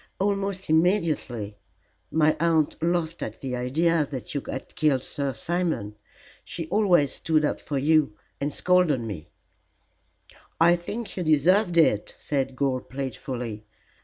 "Almost immediately. My aunt laughed at the idea that you had killed Sir Simon. She always stood up for you, and scolded me." "I think you deserved it," said Gore, playfully.